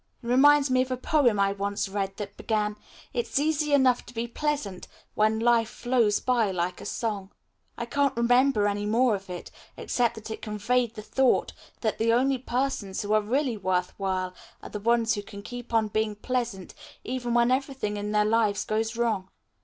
It reminds me of a poem I once read that began, 'It's easy enough to be pleasant when life flows by like a song.' I can't remember any more of it, except that it conveyed the thought that the only persons who are really worth while are the ones who can keep on being pleasant even when everything in their lives goes wrong.